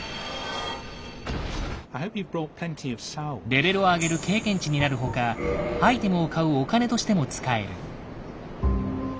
レベルを上げる経験値になるほかアイテムを買うお金としても使える。